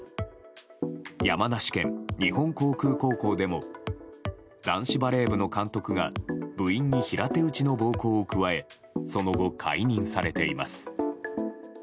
山梨県日本航空高校でも男子バレー部の監督が部員に平手打ちの暴行を加えその後、解任されています。